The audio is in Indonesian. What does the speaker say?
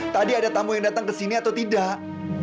tadi ada tamu yang datang kesini atau tidak